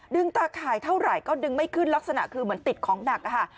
ตาข่ายเท่าไหร่ก็ดึงไม่ขึ้นลักษณะคือเหมือนติดของหนักค่ะ